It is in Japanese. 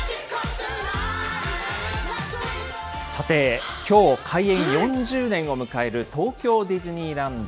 さて、きょう開園４０年を迎える東京ディズニーランド。